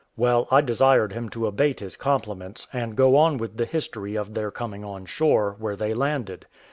Well, I desired him to abate his compliments, and go on with the history of their coming on shore, where they landed.